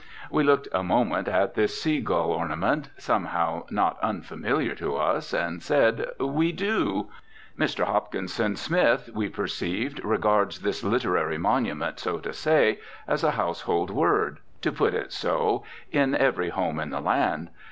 We looked a moment at this sea gull adornment, somehow not unfamiliar to us, and said, "We do." Mr. Hopkinson Smith, we perceived, regards this literary monument, so to say, as a household word (to put it so) in every home in the land.